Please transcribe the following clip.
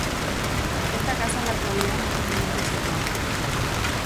Esta casa en la actualidad no está muy bien conservada.